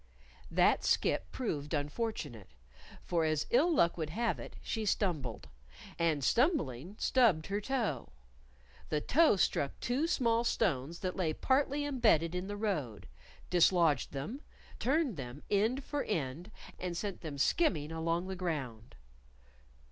That skip proved unfortunate. For as ill luck would have it, she stumbled. And stumbling stubbed her toe. The toe struck two small stones that lay partly embedded in the road dislodged them turned them end for end and sent them skimming along the ground.